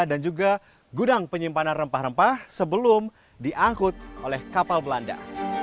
dan juga gudang penyimpanan rempah rempah sebelum diangkut oleh kapal belanda